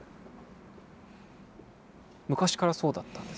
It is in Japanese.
昔からそうだったんですか？